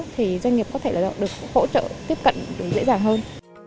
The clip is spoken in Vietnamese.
thì doanh nghiệp có thể là được hỗ trợ tiếp cận dễ dàng hơn